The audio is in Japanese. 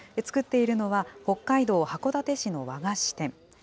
作っているのは、北海道函館市の和菓子店。